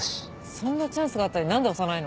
そんなチャンスがあったのに何で押さないの。